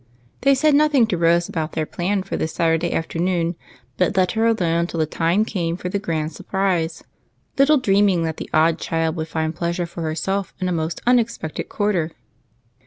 They said nothing to Rose about their plan for this Saturday afternoon, but let her alone till the time came for the grand surprise, little dreaming that the odd child would find pleasure for herself in a most unexpected quarter.